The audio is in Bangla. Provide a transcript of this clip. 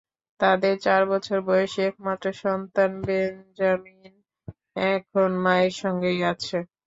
তাঁদের চার বছর বয়সী একমাত্র সন্তান বেঞ্জামিন এখন মায়ের সঙ্গেই আছে।